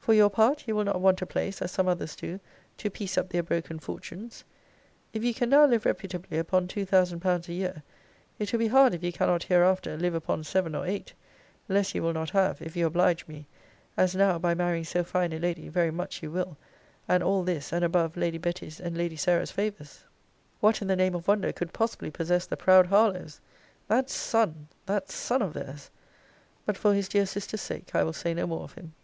For your part, you will not want a place, as some others do, to piece up their broken fortunes. If you can now live reputably upon two thousand pounds a year, it will be hard if you cannot hereafter live upon seven or eight less you will not have, if you oblige me; as now, by marrying so fine a lady, very much you will and all this, and above Lady Betty's and Lady Sarah's favours! What, in the name of wonder, could possibly possess the proud Harlowes! That son, that son of theirs! But, for his dear sister's sake, I will say no more of him.